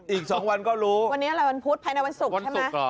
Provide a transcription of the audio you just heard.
อีก๒วันก็รู้วันนี้อะไรวันพุธภายในวันศุกร์ใช่ไหม